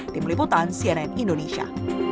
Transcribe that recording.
tim liputan cnn indonesia